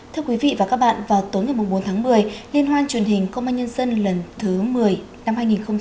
thưa quý vị và các bạn vào tối ngày bốn tháng một mươi liên hoan truyền hình công an nhân dân lần thứ một mươi năm hai nghìn hai mươi ba